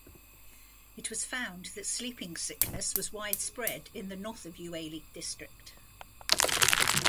It was found that sleeping sickness was widespread in the north of Uele District.